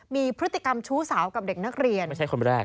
มีพฤติกรรมชู้สาวกับเด็กนักเรียน